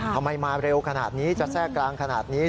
มาเร็วขนาดนี้จะแทรกกลางขนาดนี้